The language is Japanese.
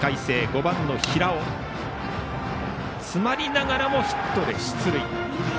５番の平尾詰まりながらもヒットで出塁。